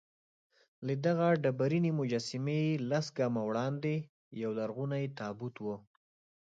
له دغه ډبرینې مجسمې لس ګامه وړاندې یولرغونی تابوت و.